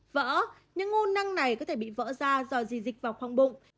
vỡ những ngôi năng này có thể bị vỡ ra do gì dịch vào khoang bụng